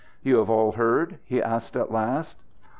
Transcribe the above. "You have all heard?" he asked at last.